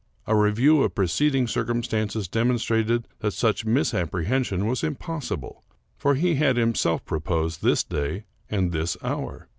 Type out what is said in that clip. A re view of preceding circumstances demonstrated that such mis apprehension was impossible ; for he had himself proposed this day, and this hour.